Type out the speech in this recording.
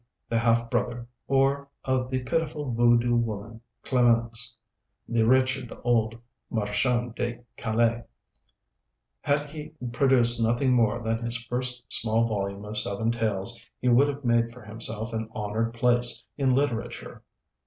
the half brother, or of the pitiful voudou woman Clemence, the wretched old marchande de calas. Had he produced nothing more than his first small volume of seven tales, he would have made for himself an honored place in literature.